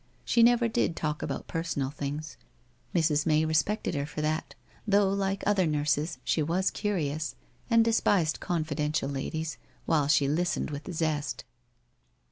She never did talk about personal things. Mrs. May respected her for that, though, like other nurses, she was curious, and despised confi dential ladies, while she listened with zest.